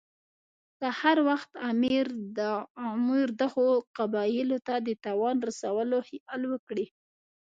که هر وخت امیر دغو قبایلو ته د تاوان رسولو خیال وکړي.